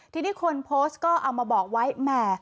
ทีนี้คนโพสต์ก็เอามาบอกไว้แหม